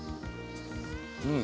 うん！